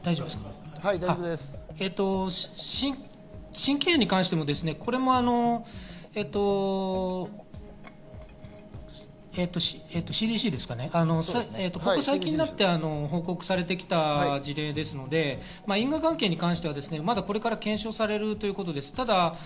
心筋炎に関しても、ＣＤＣですかね、ここ最近になって報告されてきた事例ですので、因果関係に関してはこれから検証されるということです。